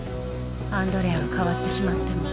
アンドレアは変わってしまったの。